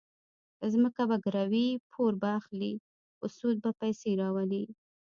ځمکه به ګروي، پور به اخلي، په سود به پیسې راولي.